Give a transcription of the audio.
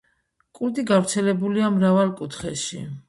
კულტი გავრცელებულია მრავალ კუთხეში.